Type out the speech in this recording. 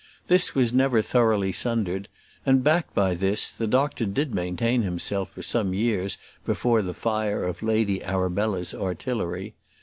This was never thoroughly sundered, and, backed by this, the doctor did maintain himself for some years before the fire of Lady Arabella's artillery.